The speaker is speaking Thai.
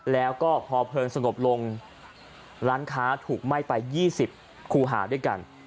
แล้วก็พอเพลิงสงบลงร้านค้าถูกไหม้ไป๒๐คูหาด้วยกัน